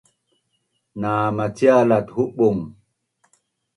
na macial at humung